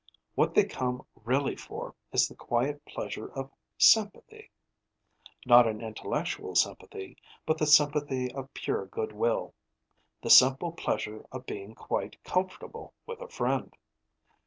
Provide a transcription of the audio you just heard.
What they come really for is the quiet pleasure of sympathy. Not an intellectual sympathy, but the sympathy of pure goodwill: the simple pleasure of being quite comfortable with a friend.